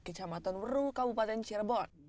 kecamatan meru kabupaten cirebon